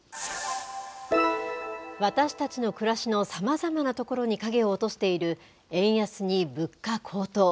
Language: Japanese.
私たちの暮らしのさまざまなところに影を落としている円安に物価高騰。